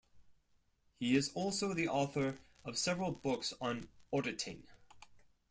He is also the author of several books on auditing.